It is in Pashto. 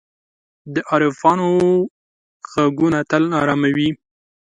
د عارفانو ږغونه تل آرامي ورکوي.